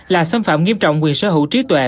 là xâm phạm nghiêm trọng quyền sở hữu trí tuệ